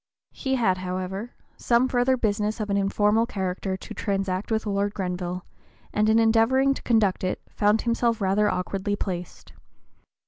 He had, however, some further business of an informal character to transact with Lord Grenville, (p. 022) and in endeavoring to conduct it found himself rather awkwardly placed.